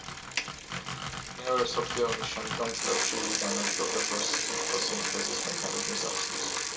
მეორე მსოფლიო ომის შემდგომ წლებში იგი განაგრძობდა ფოტოსინთეზის მექანიზმის ახსნას.